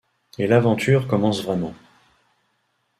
Et l’aventure commence vraiment!